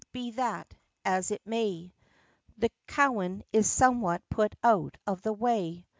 Be that as it may, The Cowan is somehow put out of the way.